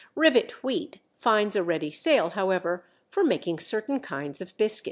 Rivet wheat finds a ready sale, however, for making certain kinds of biscuits.